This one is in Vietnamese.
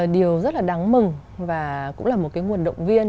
điều rất là đáng mừng và cũng là một cái nguồn động viên